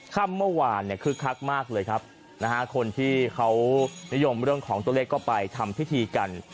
ค่ำเมื่อวานเนี่ยคึกคักมากเลยครับนะฮะคนที่เขานิยมเรื่องของตัวเลขก็ไปทำพิธีกัน